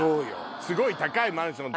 すごい高いマンション。